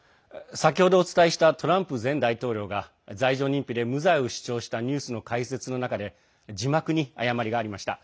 先ほどお伝えしたトランプ前大統領が罪状認否で無罪を主張したニュースの解説の中で字幕に誤りがありました。